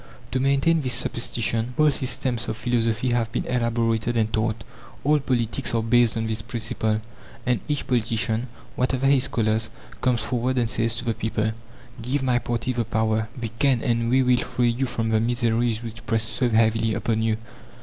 To maintain this superstition whole systems of philosophy have been elaborated and taught; all politics are based on this principle; and each politician, whatever his colours, comes forward and says to the people, "Give my party the power; we can and we will free you from the miseries which press so heavily upon you."